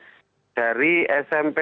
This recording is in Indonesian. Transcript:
dan dari smp